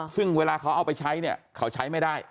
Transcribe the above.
ซึ่งเวลาเขาเอาไปใช้เนี่ยเขาใช้ไม่ได้